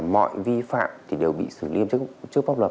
mọi vi phạm đều bị xử lý nghiêm trước pháp luật